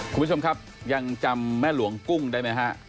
คุณผู้ชมครับยังจำแม่หลวงกุ้งได้ไหมฮะ